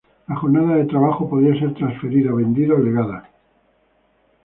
La jornada de trabajo podía ser transferida, vendida o legada.